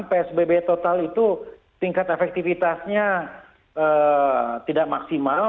psbb total itu tingkat efektivitasnya tidak maksimal